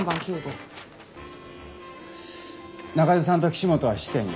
仲井戸さんと岸本は質店に。